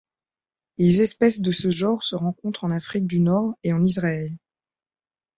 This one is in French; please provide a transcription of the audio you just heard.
Les espèces de ce genre se rencontrent en Afrique du Nord et en Israël.